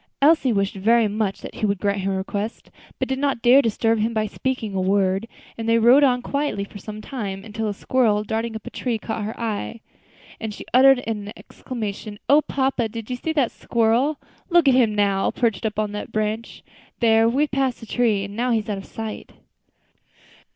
Elsie wished very much that he would grant her request, but did not dare to disturb him by speaking a word; and they rode on quietly for some time, until a squirrel darting up a tree caught her eye, and she uttered an exclamation. "O papa! did you see that squirrel? look at him now, perched up on that branch. There, we have passed the tree, and now he is out of sight."